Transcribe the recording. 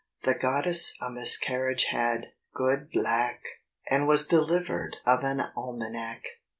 ..... The goddess a miscarriage had, good lack! And was delivered of an Almanac!